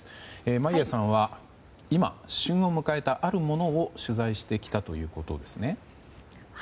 眞家さんは今旬を迎えた、あるものを取材してきたということですね。